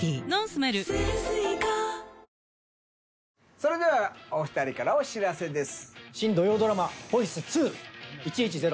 それではお２人からお知らせです。